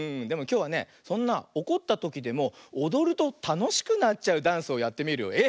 でもきょうはねそんなおこったときでもおどるとたのしくなっちゃうダンスをやってみるよ。